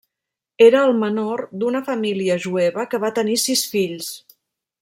Era el menor d'una família jueva que va tenir sis fills.